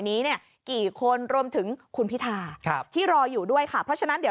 นี้เนี่ยกี่คนรวมถึงคุณพิธาครับที่รออยู่ด้วยค่ะเพราะฉะนั้นเดี๋ยว